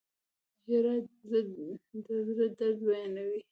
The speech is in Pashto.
• ژړا د زړه درد بیانوي.